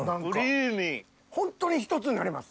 ホントに１つになります。